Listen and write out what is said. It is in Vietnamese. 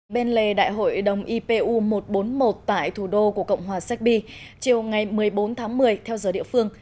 bên lề đại hội đồng ipu một trăm bốn mươi một tại thủ đô của cộng hòa sách bi chiều ngày một mươi bốn tháng một mươi theo giờ địa phương